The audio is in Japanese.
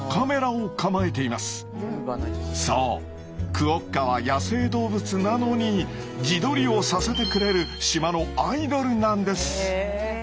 クオッカは野生動物なのに自撮りをさせてくれる島のアイドルなんです！